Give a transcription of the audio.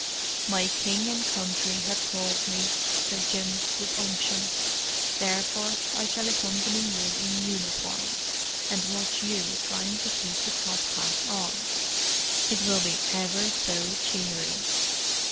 "My King and Country have called me," said Jim, with unction. "Therefore I shall accompany you in uniform—and watch you trying to keep the top hat on. It will be ever so cheery."